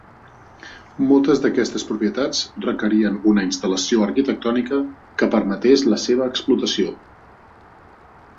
Moltes d'aquestes propietats requerien una instal·lació arquitectònica que permetés la seva explotació.